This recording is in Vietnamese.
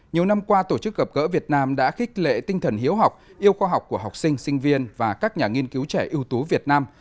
nhiều năm qua tổ chức gặp gỡ việt nam đã khích lệ tinh thần hiếu học yêu khoa học của học sinh sinh viên và các nhà nghiên cứu trẻ ưu tú việt nam